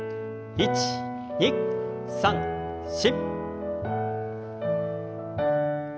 １２３４。